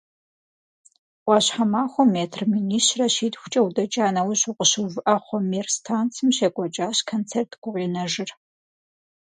Ӏуащхьэмахуэ метр минищрэ щитхукӏэ удэкӀа нэужь, укъыщыувыӀэ хъу, «Мир» станцым щекӀуэкӀащ концерт гукъинэжыр.